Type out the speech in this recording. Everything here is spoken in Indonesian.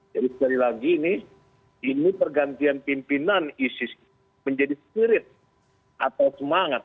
jadi sekali lagi ini ini pergantian pimpinan isis menjadi spirit atau semangat